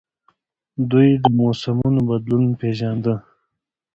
دوی د موسمونو بدلون پیژانده